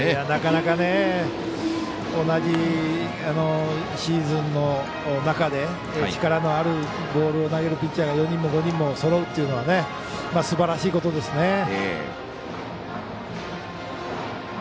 なかなか同じシーズンの中で力のあるボールを投げるピッチャーが４人も５人もそろうというのはすばらしいことだと思いますね。